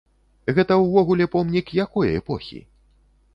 Гэта ўвогуле помнік якой эпохі?